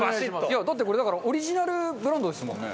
だってこれだからオリジナルブランドですもんね。